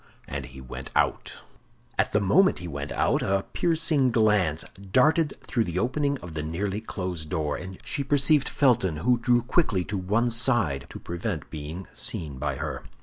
and he went out. At the moment he went out a piercing glance darted through the opening of the nearly closed door, and she perceived Felton, who drew quickly to one side to prevent being seen by her.